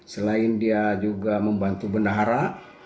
selain dia juga membantu bendahara